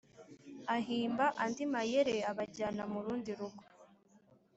ahimba andi mayere abajyana murundi rugo.